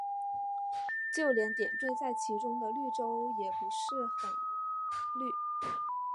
就连点缀在其中的绿洲也不很绿。